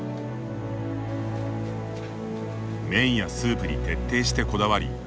麺やスープに徹底してこだわり